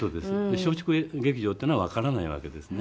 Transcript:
松竹劇場っていうのはわからないわけですね。